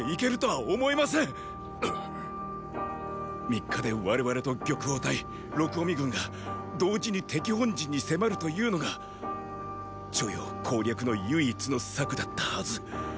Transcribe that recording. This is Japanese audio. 三日で我々と玉鳳隊録嗚未軍が同時に敵本陣に迫るというのが著雍攻略の唯一の策だったはず。